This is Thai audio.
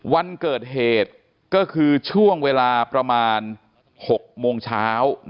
วันเกิดเหตุก็คือช่วงเวลาประมาณ๖โมงเช้า